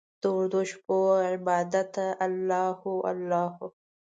داوږدوشپو عبادته الله هو، الله هو